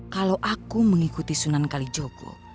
kalau aku mengikuti sunan kalijoko